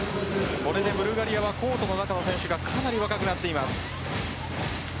ブルガリアはコートの中の選手がかなり若くなっています。